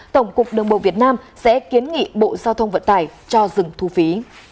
tổng cục đường bộ việt nam sẽ kiến nghị bộ giao thông vận tải cho dừng thu phí